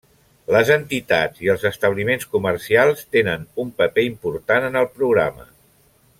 Les entitats i els establiments comercials tenen un paper important en el programa.